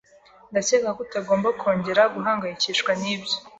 Ndakeka ko utagomba kongera guhangayikishwa nibyo.